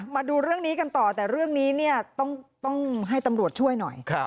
มาดูเรื่องนี้กันต่อแต่เรื่องนี้เนี่ยต้องให้ตำรวจช่วยหน่อย